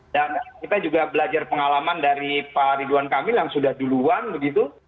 dan kita juga belajar pengalaman dari pak ridwan kamil yang sudah duluan begitu